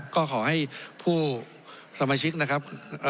ก็ขอให้ผู้สมาชิกนะครับ